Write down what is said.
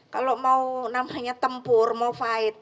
kalau mau namanya tempur mau fight